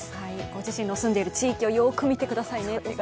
ご自身の住んでいる地域をよく見てくださいね。